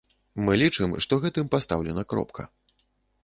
Мы лічым, што гэтым пастаўлена кропка.